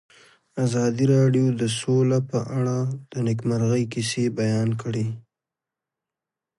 ازادي راډیو د سوله په اړه د نېکمرغۍ کیسې بیان کړې.